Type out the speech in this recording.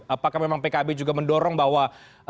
apakah memang pkb juga mendorong bahwa akan ada atau tidak